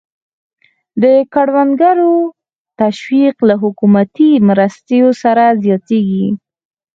د کروندګرو تشویق له حکومتي مرستو سره زیاتېږي.